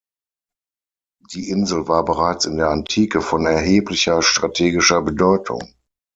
Die Insel war bereits in der Antike von erheblicher strategischer Bedeutung.